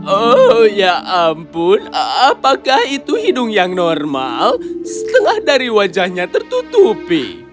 oh ya ampun apakah itu hidung yang normal setengah dari wajahnya tertutupi